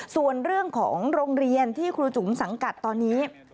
ส่วนเรื่องของโรงเรียนที่ครูจุ๋มสังกัดตอนนี้